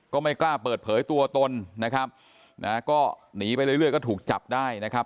ก็ไม่กล้าเปิดเผยตัวตนนะครับนะก็หนีไปเรื่อยก็ถูกจับได้นะครับ